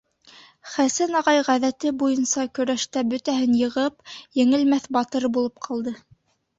Хәсән ағай, ғәҙәте буйынса, көрәштә бөтәһен йығып, еңелмәҫ батыр булып ҡалды.